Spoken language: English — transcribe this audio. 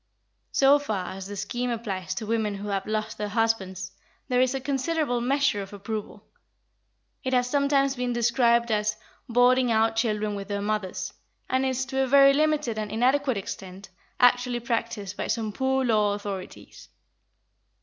So far as the scheme applies to women who have lost their husbands, there is a considerable measure of approval; it has sometimes been described as "boarding out children with their mothers," and is, to a very limited and inadequate extent, actually practised by some Poor Law authorities.